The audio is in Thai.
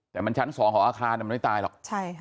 แต่มันชั้น๒ของอาคารมันไม่ตายหรอก